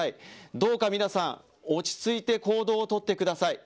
どうか皆さん、落ち着いて行動を取ってください。